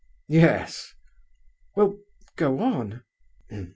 "Yes." "Well, go on."